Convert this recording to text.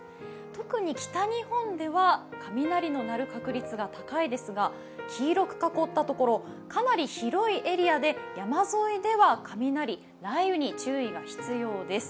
特に北日本では雷の鳴る確率が高いですが黄色く囲ったところ、かなり広いエリアで山沿いでは雷、雷雨に注意が必要です。